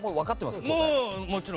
もちろん。